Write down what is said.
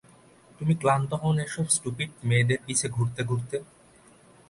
তুমি ক্লান্ত হও না এসব স্টুপিট মেয়েদের পিছে ঘুরতে ঘুরতে।